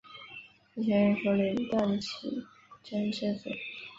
是前任首领段乞珍之子。